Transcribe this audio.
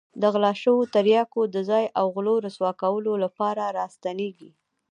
د غلا شوو تریاکو د ځای او غلو رسوا کولو لپاره را ستنېږي.